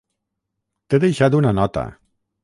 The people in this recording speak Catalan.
T'he deixat una nota.